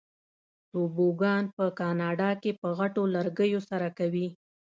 توبوګان په کاناډا کې په غټو لرګیو سره کوي.